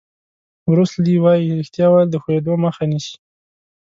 بروس لي وایي ریښتیا ویل د ښویېدو مخه نیسي.